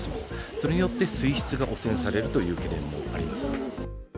それによって、水質が汚染されるという懸念もあります。